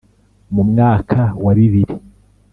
mu mwaka wa bibiri